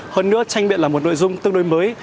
hơn nữa tranh biện là một nội dung tương đối mới